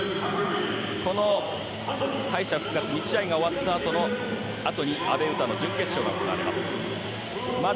この敗者復活２試合が終わったあとに阿部詩の準決勝が行われます。